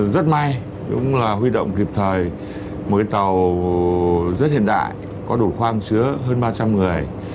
rất may cũng là huy động kịp thời một cái tàu rất hiện đại có đủ khoang sứa hơn ba trăm linh người